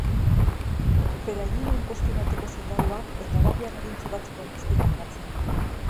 Fedajinen postu bateko soldaduak eta arabiar adintsu batzuk baino ez dira geratzen.